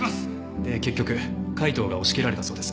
で結局海東が押し切られたそうです。